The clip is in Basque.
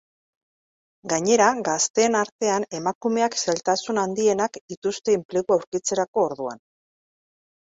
Gainera, gazteen artean emakumeak zailtasun handienak dituzte enplegua aurkitzerako orduan.